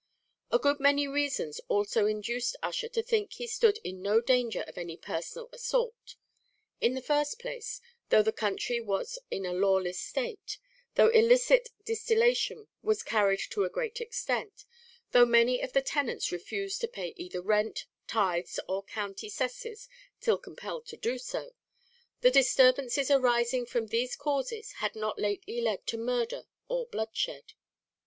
A good many reasons also induced Ussher to think that he stood in no danger of any personal assault. In the first place, though the country was in a lawless state though illicit distillation was carried to a great extent though many of the tenants refused to pay either rent, tithes, or county cesses till compelled to do so the disturbances arising from these causes had not lately led to murder or bloodshed.